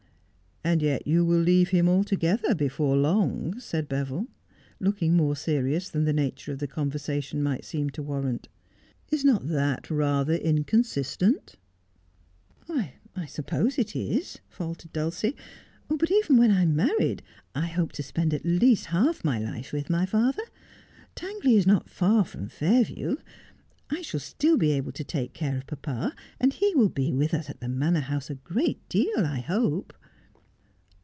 ' And yet you will leave him altogether before long,' said Beville, looking more serious than the nature of the conversation might seem to warrant. ' Is not that rather inconsistent 1 '' I suppose it is,'faltered Dulcie ;' but even when I am married I hope to spend at least half my life with my father. Tangley is not far from Fairview. I shall still be able to take care of papa, and he will be with us at the Manor House a great deal, I hope.'